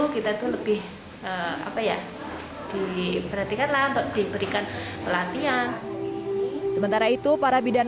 kita itu lebih apa ya diperhatikan lah untuk diberikan pelatihan sementara itu para bidan